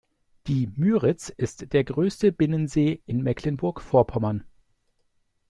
Die Müritz ist der größte Binnensee in Mecklenburg Vorpommern.